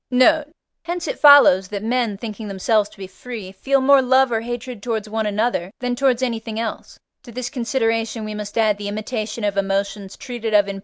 Note. Hence it follows, that men, thinking themselves to be free, feel more love or hatred towards one another than towards anything else: to this consideration we must add the imitation of emotions treated of in III.